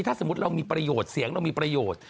ถ้าสมมุติเราเป็นบริโภคเสียงมีประโยชน์